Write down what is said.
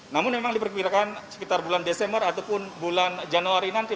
namun memang diperkirakan sekitar bulan desember ataupun bulan januari nanti